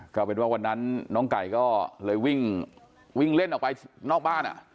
ก็เป็นว่าวันนั้นน้องไก่ก็เลยวิ่งเล่นออกไปนอกบ้าน